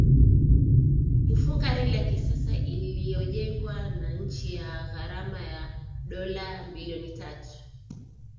Kufunga reli ya kisasa iliyojengwa na China kwa gharama ya dola bilioni tatu